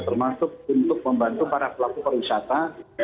termasuk untuk membantu para pelaku pariwisata